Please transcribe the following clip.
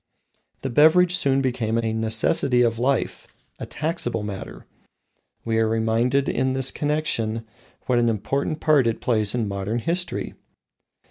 The beverage soon became a necessity of life a taxable matter. We are reminded in this connection what an important part it plays in modern history.